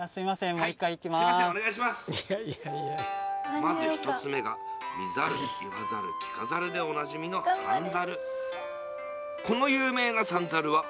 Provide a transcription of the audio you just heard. まず１つ目が「見ざる言わざる聞かざる」でおなじみの三猿